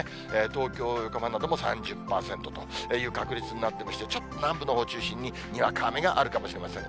東京、横浜も３０％という確率になってまして、ちょっと南部のほう中心ににわか雨あるかもしれません。